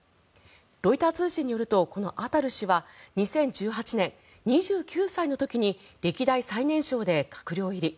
ロイター通信によるとこのアタル氏は２０１８年２９歳の時に歴代最年少で閣僚入り。